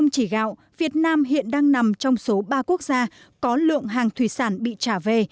năm chỉ gạo việt nam hiện đang nằm trong số ba quốc gia có lượng hàng thủy sản bị trả về